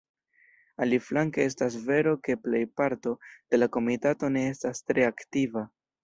Aliflanke estas vero ke plejparto de la Komitato ne estas tre aktiva.